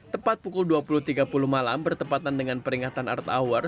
tepat pukul dua puluh tiga puluh malam bertepatan dengan peringatan earth hour